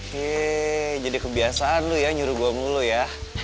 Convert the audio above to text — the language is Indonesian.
heee jadi kebiasaan lo ya nyuruh gue mulu ya